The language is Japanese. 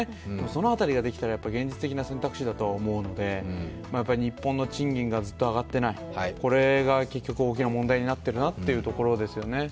その辺りができたら現実的な選択肢だとは思うので日本の賃金がずっと上がっていない、これが結局大きな問題になっているなというところですよね。